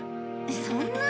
そんな。